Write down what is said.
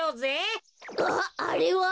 あっあれは？